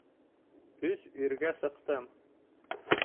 Өс иргә сыҡтым.